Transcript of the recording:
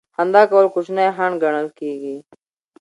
خندا کول کوچنی خنډ ګڼل کیږي.